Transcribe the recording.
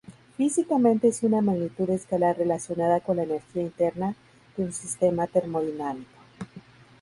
Físicamente es una magnitud escalar relacionada con la energía interna de un sistema termodinámico.